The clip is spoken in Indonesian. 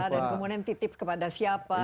kemudian titip kepada siapa